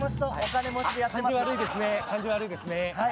感じ悪いですね。